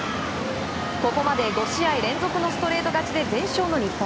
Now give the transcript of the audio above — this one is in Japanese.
ここまで５試合連続のストレート勝ちで全勝の日本。